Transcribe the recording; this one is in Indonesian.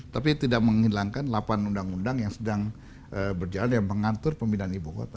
tapi tidak menghilangkan delapan undang undang yang sedang berjalan dan mengatur pemindahan ibu kota